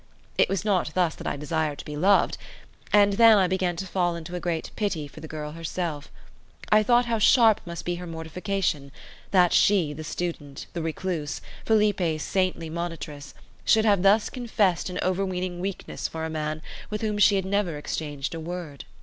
It was not thus that I desired to be loved. And then I began to fall into a great pity for the girl herself. I thought how sharp must be her mortification, that she, the student, the recluse, Felipe's saintly monitress, should have thus confessed an overweening weakness for a man with whom she had never exchanged a word.